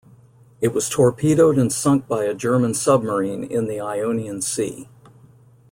It was torpedoed and sunk by a German submarine in the Ionian Sea.